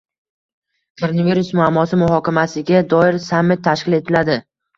Koronavirus muammosi muhokamasiga doir sammit tashkil etilading